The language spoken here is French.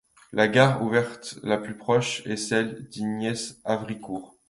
La gare ouverte la plus proche est celle d'Igney - Avricourt.